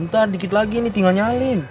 ntar dikit lagi ini tinggal nyalin